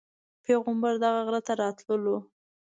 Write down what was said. پیغمبر دغه غره ته راتللو.